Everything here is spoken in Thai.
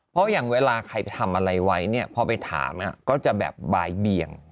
เพราะอย่างเวลาใครไปทำอะไรไว้เนี่ยพอไปถามก็จะแบบบ่ายเบียง